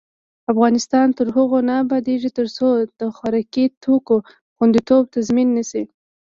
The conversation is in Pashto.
افغانستان تر هغو نه ابادیږي، ترڅو د خوراکي توکو خوندیتوب تضمین نشي.